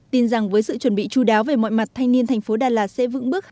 tin rằng với sự chuẩn bị chú đáo về mọi mặt thanh niên thành phố đà lạt sẽ vững bước